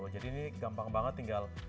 jadi ini gampang banget tinggal